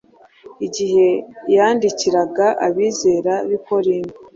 Igihe yandikiraga abizera b’i Korinto,